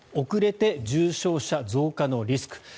遅れて重症者増加のリスク。